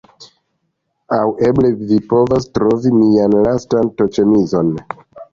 Aŭ eble vi povas trovi mian lastan t-ĉemizon.